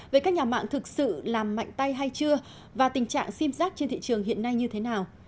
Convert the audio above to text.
vậy các nhà mạng thực sự làm mạnh tay hay chưa và tình trạng sim giác trên thị trường hiện nay như thế nào